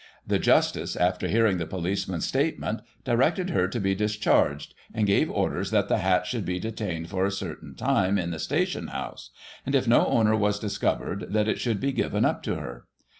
The justice, after hearing the policeman's statement, directed her to be discharged, and gave orders that the hat should be detained for a certain time, in the station house ; and, if no owner was discovered, that it should be given up to her.